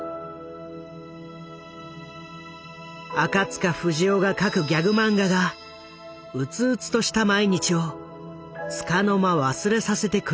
赤塚不二夫が描くギャグ漫画がうつうつとした毎日をつかの間忘れさせてくれたという。